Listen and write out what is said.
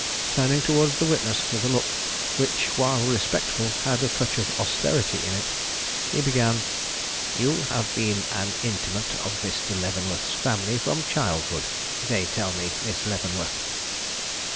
Turning toward the witness with a look which, while respectful, had a touch of austerity in it, he began: "You have been an intimate of Mr. Leavenworth's family from childhood, they tell me, Miss Leavenworth?"